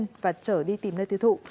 hòa đã trở đi tìm nơi tiêu thụ